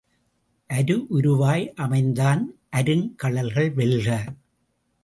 அருவுருவாய் அமைந்தான் அருங்கழல்கள் வெல்க!